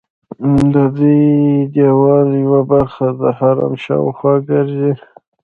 ددې دیوال یوه برخه د حرم شاوخوا ګرځي.